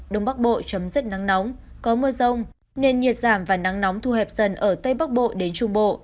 đông bắc bộ chấm dứt nắng nóng có mưa rông nền nhiệt giảm và nắng nóng thu hẹp dần ở tây bắc bộ đến trung bộ